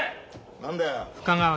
何だよ。